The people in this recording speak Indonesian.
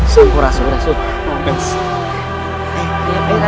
sumpah supa supa